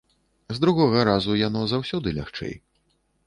З другога разу яно заўсёды лягчэй.